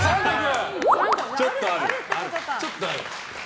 ちょっとある？